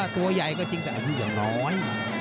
ตัวใหญ่ก็จริงแต่อายุอย่างน้อย